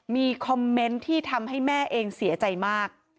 มีคอมเมนต์ที่ทำให้แม่เองเสียใจมาก